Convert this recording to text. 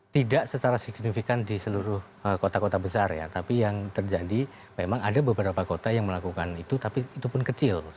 tidak secara signifikan di seluruh kota kota besar ya tapi yang terjadi memang ada beberapa kota yang melakukan itu tapi itu pun kecil